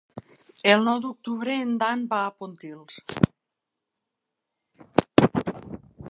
El nou d'octubre en Dan va a Pontils.